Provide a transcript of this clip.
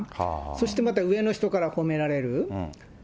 そしてまた上の人から褒められる。